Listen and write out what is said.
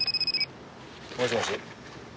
もしもし？